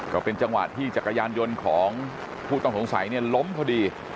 ก็เป็นจังหวะที่จักรยานยนต์ของผู้ต้องสงสัยเนี่ยล้มพอดี